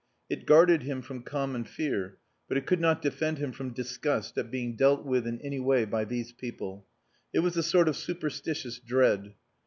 It guarded him from common fear, but it could not defend him from disgust at being dealt with in any way by these people. It was a sort of superstitious dread.